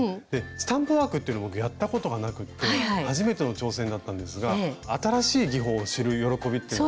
スタンプワークっていうの僕やったことがなくて初めての挑戦だったんですが新しい技法を知る喜びっていうのを。